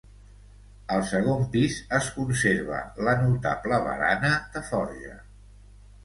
Al segon pis es conserva la notable barana de forja.